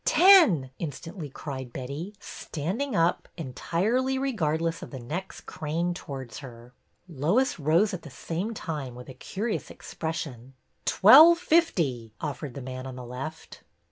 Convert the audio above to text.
''Ten!" instantly cried Betty, standing up, entirely regardless of the necks craned towards her. Lois rose at the same time, with a curious expression. " Twelve fifty! " offered the man on the left.